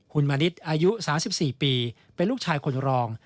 หุ่นมาเนธอายุ๓๔ปีเป็นลูกชายคนรอง